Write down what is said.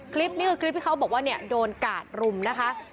คลิปนี้คือคลิปที่เขาบอกว่าเนี่ยโดนกาดรุมนะคะ